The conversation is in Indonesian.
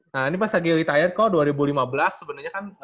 nah ini pas lagi retired kalo dua ribu lima belas sebenernya kan